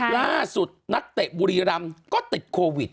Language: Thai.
ล่าสุดนักเตะบุรีรำก็ติดโควิด